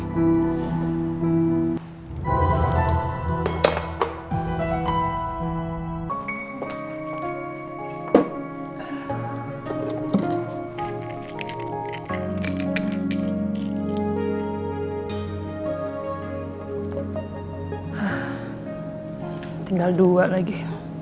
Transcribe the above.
ah tinggal dua lagi